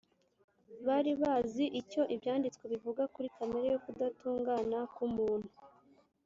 Bari bazi icyo Ibyanditswe bivuga kuri kamere yo kudatungana k umuntu